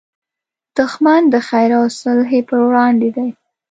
دښمن د خیر او صلحې پر وړاندې دی